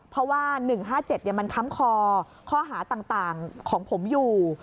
เพราะว่า๑๕๗มันค้ำคอข้อหาต่างของผมอยู่